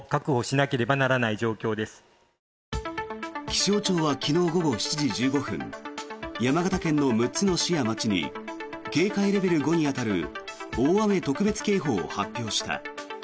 気象庁は昨日午後７時１５分山形県の６つの市や町に警戒レベル５に当たる大雨特別警報を発表した。